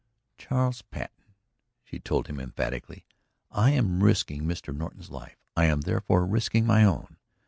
"Charles Patten," she told him emphatically, "I am risking Mr. Norton's life; I am therefore risking my own.